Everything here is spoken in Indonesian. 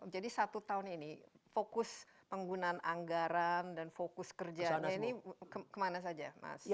jadi satu tahun ini fokus penggunaan anggaran dan fokus kerja ini kemana saja mas